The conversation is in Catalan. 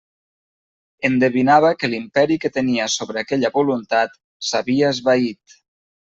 Endevinava que l'imperi que tenia sobre aquella voluntat s'havia esvaït.